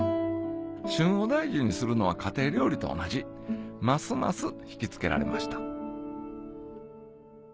旬を大事にするのは家庭料理と同じますます引き付けられました